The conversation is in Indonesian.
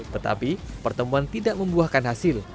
tetapi pertemuan tidak membuahkan hasil